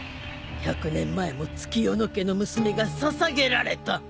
１００年前も月夜野家の娘が捧げられた。